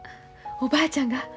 おばあちゃんが？